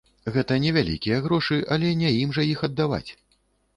Гэта невялікія грошы, але не ім жа іх аддаваць.